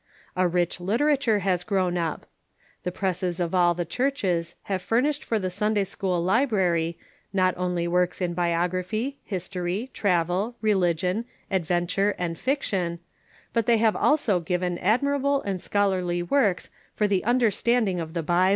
A rich literature has grown up. The presses of all the churches have furnished for the Sunday school Library not only works in biography, history, travel, religion, adventure, and fiction, but they have also given ad mirable and scholarly works for the understanding of the Bible.